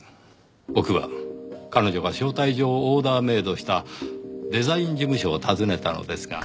僕は彼女が招待状をオーダーメイドしたデザイン事務所を訪ねたのですが。